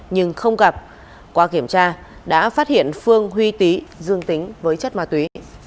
nhưng không gặp qua kiểm tra đã phát hiện phương huy tý dương tính với chất ma túy